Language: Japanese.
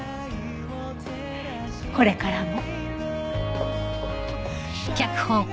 これからも。